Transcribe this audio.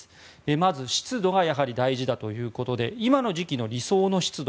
まず、湿度がやはり大事だということで今の時期の理想の湿度